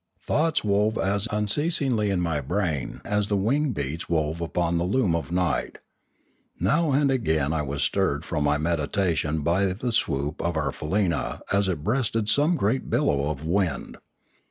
Thoughts wove as unceasingly in ray brain as the wing beats wove upon the loom of night. Now and again was I stirred from my meditation by the swoop of our faleena as it breasted some great billow of wind.